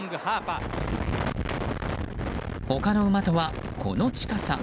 他の馬とは、この近さ。